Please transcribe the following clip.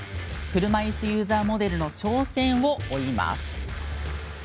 車いすユーザーモデルの挑戦を追います。